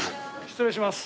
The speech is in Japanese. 失礼します。